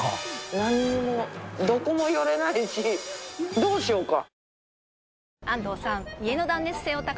何にもどこも寄れないしどうしようか。